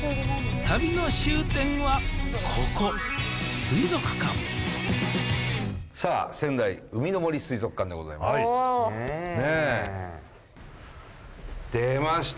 旅の終点はここ水族館さあ仙台うみの杜水族館でございますねえねえ出ました